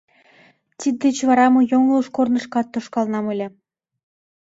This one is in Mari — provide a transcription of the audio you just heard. Тиддеч вара мый йоҥылыш корнышкат тошкалынам ыле.